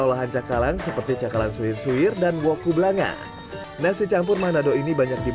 olahan cakalang seperti cakalang suir suir dan wokubelanga nasi campur madado ini banyak